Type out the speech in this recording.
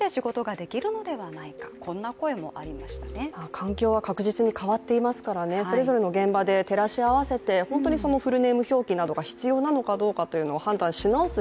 環境は確実に変わっていますからそれぞれの現場で照らし合わせて本当にフルネーム表記が必要なのかどうかというのを判断し直す